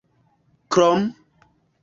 krom